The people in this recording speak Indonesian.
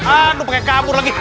aduh pengen kabur lagi